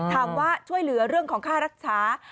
ถามว่าช่วยเหลือเรื่องของค่ารักษา